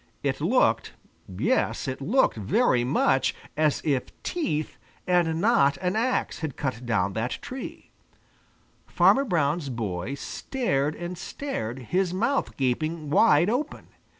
It looked yes, it looked very much as if teeth, and not an axe, had cut down that tree. Farmer Brown's boy stared and stared, his mouth gaping wide open.